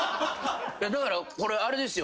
だからこれあれですよ。